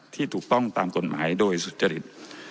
ถูกต้องตามกฎหมายโดยสุจริต